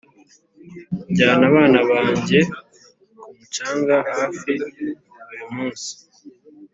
njyana abana banjye ku mucanga hafi buri munsi